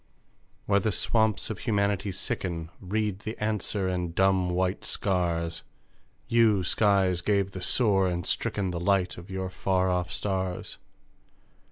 ... Where the swamps of Humanity sicken Read the answer in dumb, white scars! You, Skies, gave the sore and the stricken The light of your far off stars!